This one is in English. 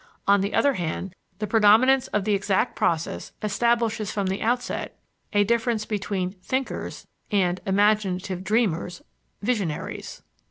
On the other hand, the predominance of the exact process establishes from the outset a difference between "thinkers" and imaginative dreamers ("visionaries").